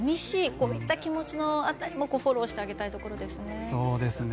こういった気持ちにもフォローしてあげたいところですね。